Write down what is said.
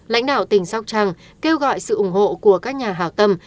lãnh đạo tỉnh sóc trăng kêu gọi sự ủng hộ của các nhà hào tâm